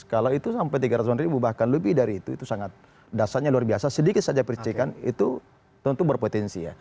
kalau itu sampai tiga ratus ribu bahkan lebih dari itu itu sangat dasarnya luar biasa sedikit saja percikan itu tentu berpotensi ya